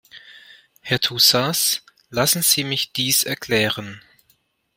Herr Toussas, lassen Sie mich dies erklären.